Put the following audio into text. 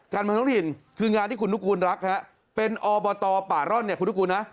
การมาท้องถิ่นคืองานที่คุณนุกูลรักเป็นอบตป่าร่อนคุณนุกูลนะ